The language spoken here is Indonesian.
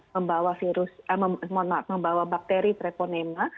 membawa virus mohon maaf membawa bakteri treponema